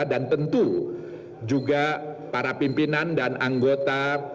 dan tentu juga para pimpinan dan anggota